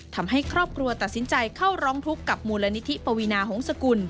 ทำให้ครอบครัวตัดสินใจเข้าร้องทุกข์กับมูลนิธิปวีนาหงษกุล